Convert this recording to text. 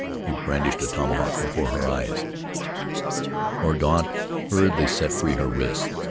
He brandished a tomahawk before her eyes. Mordaunt hurriedly set free her wrists.